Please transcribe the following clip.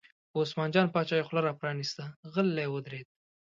په عثمان جان باچا یې خوله را پرانسته، غلی ودرېد.